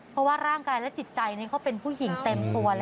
เพราะว่าร่างกายและจิตใจเขาเป็นผู้หญิงเต็มตัวแล้ว